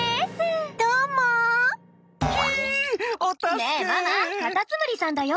ねえママカタツムリさんだよ。